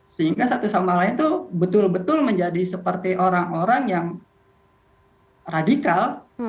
sehingga satu sama lain itu betul betul menjadi seperti orang orang yang radikal